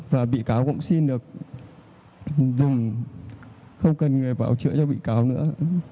và bị cáo cũng xin được dùng không cần người bảo trợ cho bị cáo nữa